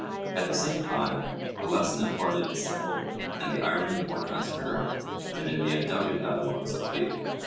At the same time, the lesson imparted is simple, and the irony more transparent than in the undoubted dialogues of Plato.